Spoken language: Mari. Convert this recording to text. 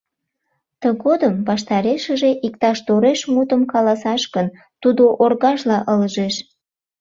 Тыгодым ваштарешыже иктаж тореш мутым каласаш гын, тудо оргажла ылыжеш.